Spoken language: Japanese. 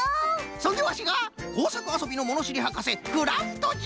そんでワシがこうさくあそびのものしりはかせクラフトじゃ！